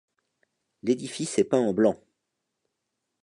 L'édifice est peint en blanc.